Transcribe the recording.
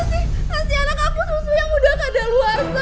ya kasih anak aku susu yang udah kadal warsa